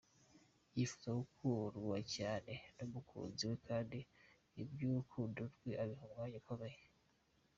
Yifuza gukundwa cyane n’umukunzi we kandi iby’urukundo rwe abiha umwanya ukomeye.